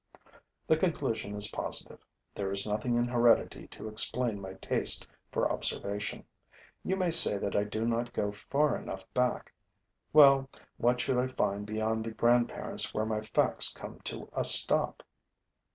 The conclusion is positive: there is nothing in heredity to explain my taste for observation. You may say that I do not go far enough back. Well, what should I find beyond the grandparents where my facts come to a stop?